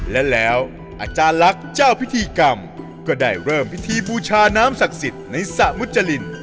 และแล้วอาจารย์ลักษณ์เจ้าพิธีกรรมก็ได้เริ่มพิธีบูชาน้ำศักดิ์สิทธิ์ในสระมุจริน